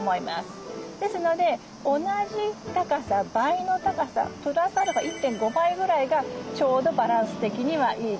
ですので同じ高さ倍の高さプラスアルファ１．５倍ぐらいがちょうどバランス的にはいいです。